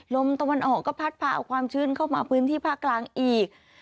ลมตะวันออกก็พัดพาเอาความชื้นเข้ามาพื้นที่ภาคกลางอีก